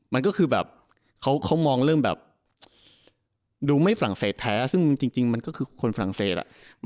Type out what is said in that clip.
มันก็คือแบบเขามองเริ่มแบบดูไม่ฝรั่งเศสแท้ซึ่งจริงมันก็คือคนฝรั่งเศสอ่ะ